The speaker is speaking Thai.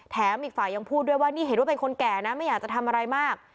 อีกฝ่ายยังพูดด้วยว่านี่เห็นว่าเป็นคนแก่นะไม่อยากจะทำอะไรมาก